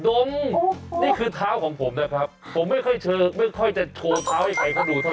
ดมนี่คือเท้าของผมแน่ครับผมไม่ค่อยเชิญไม่ค่อยจะโชว์เท้าให้ใครค่ะดูเท่าไร